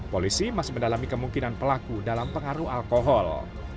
polisi masih mendalami kemungkinan pelaku dalam pengaruh alkohol